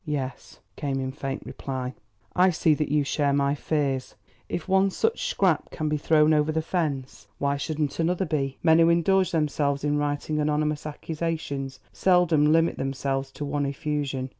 "Yes," came in faint reply. "I see that you share my fears. If one such scrap can be thrown over the fence, why shouldn't another be? Men who indulge themselves in writing anonymous accusations seldom limit themselves to one effusion.